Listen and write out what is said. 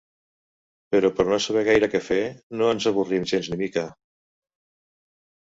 Però per no saber gaire què fer, no ens avorrim gens ni mica.